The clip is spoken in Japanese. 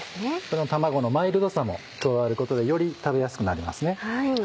この卵のマイルドさも加わることでより食べやすくなりますね。